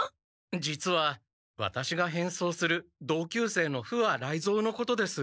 実はワタシが変装する同級生の不破雷蔵のことです。